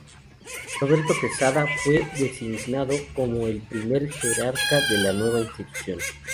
Roberto Quesada fue designado como el primer jerarca de la nueva institución.